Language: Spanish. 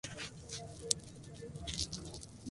La zona cuenta con algunas canteras de roca calcárea.